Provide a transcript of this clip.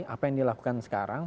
apa yang dilakukan sekarang